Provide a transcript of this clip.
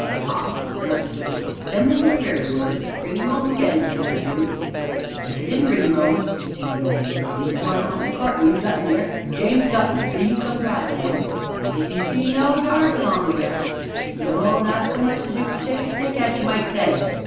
"Ah!" nodded Job, "them was your very words, 'bring 'im 'ome again,' says you " "But you didn't bring 'im 'ome," continued Old Amos, "leastways, not in the cart wi' you. Dutton 'ere James Dutton see you come drivin' 'ome, but 'e didn't see no Jarge along wi' you no, not so much as you could shake a stick at, as you might say.